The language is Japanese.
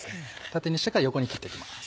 縦にしてから横に切って行きます。